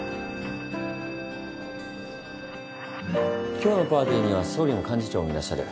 今日のパーティーには総理も幹事長もいらっしゃる。